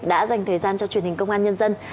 đã dành thời gian cho truyền hình công an nhân dân